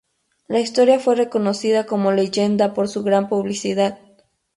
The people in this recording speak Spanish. La historia fue reconocida como leyenda por su gran publicidad.